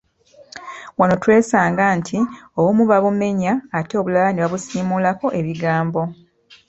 Wano twesanga nti obumu baabumenya ate obulala ne babusiimulako ebigambo.